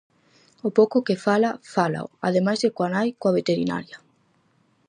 O pouco que fala, fálao, ademais de coa nai, coa veterinaria.